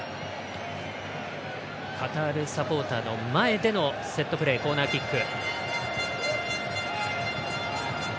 カタールサポーターの前でのセットプレー、コーナーキック。